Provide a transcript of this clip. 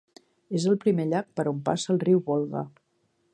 És el primer llac per on passa el riu Volga.